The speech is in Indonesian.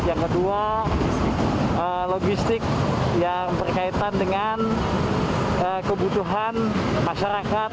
yang kedua logistik yang berkaitan dengan kebutuhan masyarakat